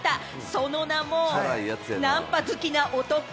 その名もナンパ好きな男。